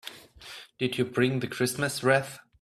Did you bring the Christmas wreath?